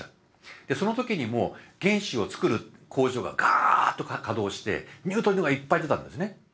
でその時にも原子をつくる工場がガーッと稼働してニュートリノがいっぱい出たんですね。